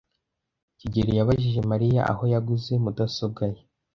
kigeli yabajije Mariya aho yaguze mudasobwa ye.